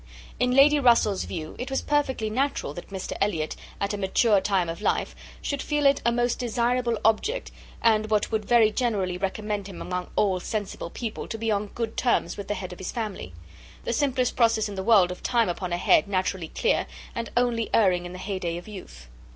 In Lady Russell's view, it was perfectly natural that Mr Elliot, at a mature time of life, should feel it a most desirable object, and what would very generally recommend him among all sensible people, to be on good terms with the head of his family; the simplest process in the world of time upon a head naturally clear, and only erring in the heyday of youth.